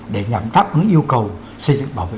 để nhằm tác hứng yêu cầu xây dựng bảo vệ